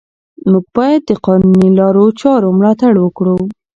موږ باید د قانوني لارو چارو ملاتړ وکړو